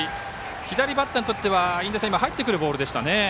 左バッターにとっては印出さん入ってくるボールでしたね。